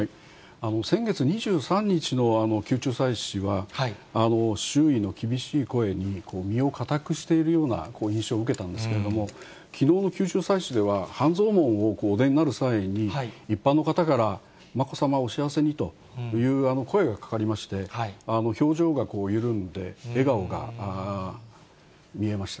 先月２３日の宮中祭祀は、周囲の厳しい声に身を固くしているような印象を受けたんですけれども、きのうの宮中祭祀では、半蔵門をお出になる際に、一般の方から、まこさまお幸せにという声がかかりまして、表情が緩んで、笑顔が見えました。